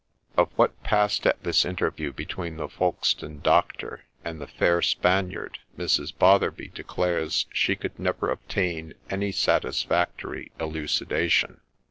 Of what passed at this interview between the Folkestone doctor and the fair Spaniard, Mrs. Botherby declares she could never obtain any satisfactory elucidation.